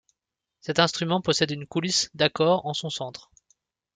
Cet instrument possède une coulisse d'accord en son centre.